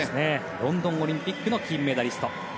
ロンドンオリンピックの金メダリスト。